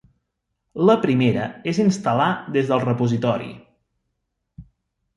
La primera és instal·lar des del repositori.